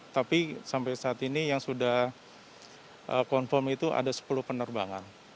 tapi sampai saat ini yang sudah confirm itu ada sepuluh penerbangan